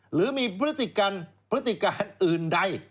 หรือมีพฤติกรรมพฤติการอื่นใด